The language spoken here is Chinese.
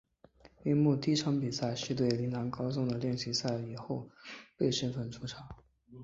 樱木第一场比赛是对陵南高中的练习赛中以后备身份出场。